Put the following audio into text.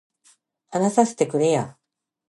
話させてくれや